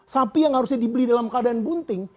sapi yang harusnya dibeli dalam keadaan bunting